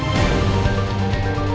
saya sudah menang